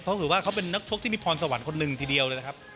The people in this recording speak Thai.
เพราะถือว่าเขาเป็นนักชกที่มีพรสวรรค์คนหนึ่งทีเดียวเลยนะครับ